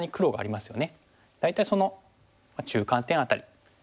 大体その中間点辺り。